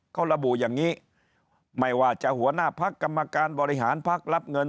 เขาระบุอย่างนี้ไม่ว่าจะหัวหน้าพักกรรมการบริหารพักรับเงิน